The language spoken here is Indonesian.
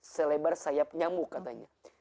selebar sayap nyamuk katanya